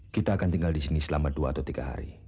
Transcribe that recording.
kita akan tinggal disini selama dua atau tiga hari